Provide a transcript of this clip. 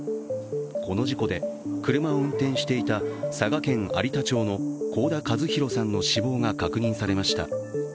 この事故で、車を運転していた佐賀県有田町の甲田一広さんの死亡が確認されました。